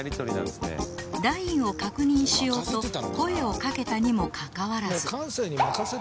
ラインを確認しようと声をかけたにもかかわらず